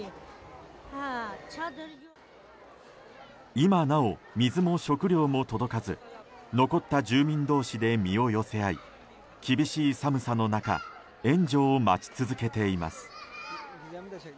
今なお、水も食料も届かず残った住民同士で身を寄せ合い厳しい寒さの中援助を待ち続けています。